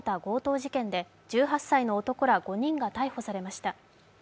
事件で１８歳の男ら５人が逮捕されました。